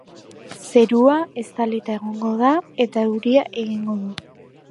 Zerua estalita egongo da eta euria egingo du.